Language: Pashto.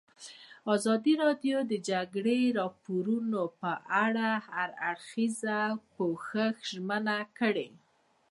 ازادي راډیو د د جګړې راپورونه په اړه د هر اړخیز پوښښ ژمنه کړې.